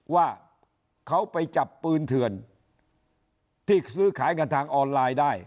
ว่าเขาไปจับปืนเถื่อนที่ซื้อขายกันทางออนไลน์ได้